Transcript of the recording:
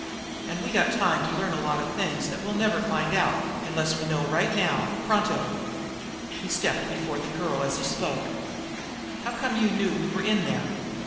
"And we got time to learn a lot of things that we'll never find out, unless we know right now, pronto!" He stepped before the girl, as he spoke. "How come you knew we were in there?